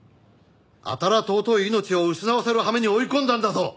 あたら尊い命を失わせる羽目に追い込んだんだぞ！